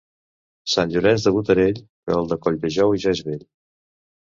Sant Llorenç de Botarell, que el de Colldejou ja és vell.